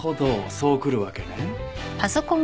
そうくるわけね。